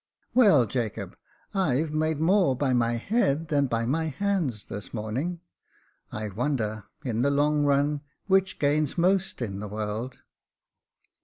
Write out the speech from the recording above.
"Well, Jacob, I've made more by my head than by my hands this morning. I wonder, in the long run, which gains most in the world."